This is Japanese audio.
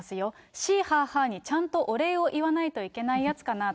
シーハーハーにちゃんとお礼を言わないといけないやつかなと。